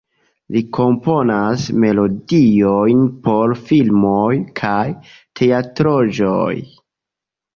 Li komponas melodiojn por filmoj kaj teatraĵoj.